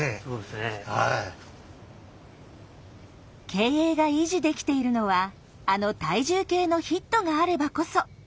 経営が維持できているのはあの体重計のヒットがあればこそ。